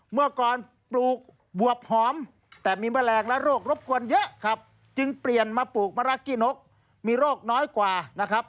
เมื่อก่อนปลูกบวบหอมแต่มีแมลงและโรครบกวนเยอะครับจึงเปลี่ยนมาปลูกมะรักกี้นกมีโรคน้อยกว่านะครับ